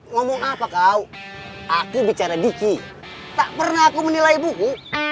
ngomong apa kau aku bicara diki tak pernah aku menilai buku